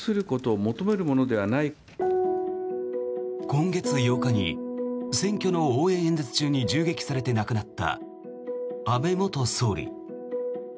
今月８日に選挙の応援演説中に銃撃されて亡くなった安倍元総理。